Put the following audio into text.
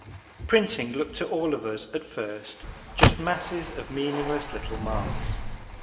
Printing looked to all of us at first just masses of meaningless little marks.